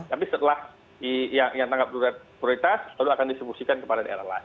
tapi setelah yang tanggap prioritas baru akan distribusikan kepada daerah lain